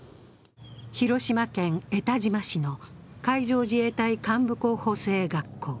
広島県江田島市の海上自衛隊幹部候補生学校。